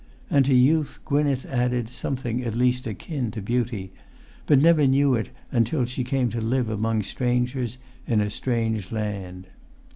And to youth Gwynneth added something at least akin to beauty; but never knew it until she came to live among strangers in a strange land.